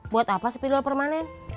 buat apa sepidol permanen